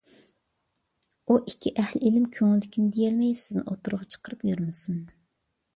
ئۇ ئىككى ئەھلى ئىلىم كۆڭلىدىكىنى دېيەلمەي سىزنى ئوتتۇرىغا چىقىرىپ يۈرمىسۇن.